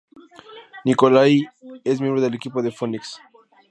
Nikolai es miembro del equipo de Phoenix.